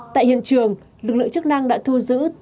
tại hiện trường lực lượng chức năng đã thu giữ